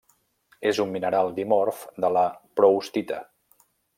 És un mineral dimorf de la proustita.